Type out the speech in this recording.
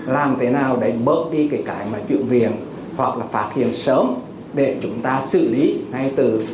làm thế nào để bớt đi cái chuyện viện hoặc là phát hiện sớm để chúng ta xử lý